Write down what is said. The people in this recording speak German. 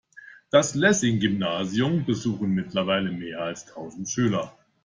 Das Lessing-Gymnasium besuchen mittlerweile mehr als tausend Schüler.